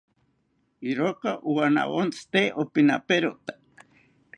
Iroka owanawontzi tee opinaperota